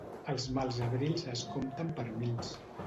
Els mals abrils es compten per mils.